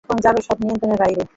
এখন যাবে সব নিয়ন্ত্রণের বাইরে।